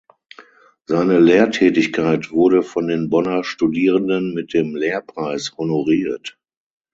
Seine Lehrtätigkeit wurde von den Bonner Studierenden mit dem Lehrpreis honoriert.